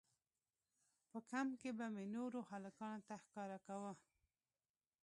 په کمپ کښې به مې نورو هلکانو ته ښکاره کاوه.